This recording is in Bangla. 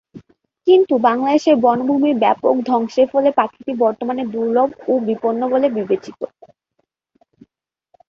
কিন্তু বাংলাদেশের বনভূমির ব্যাপক ধ্বংসের ফলে পাখিটি বর্তমানে দুর্লভ ও বিপন্ন বলে বিবেচিত।